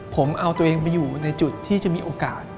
ผมเอาตัวเองไปอยู่ในจุดที่จะมีโอกาส